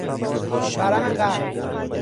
ورم قلب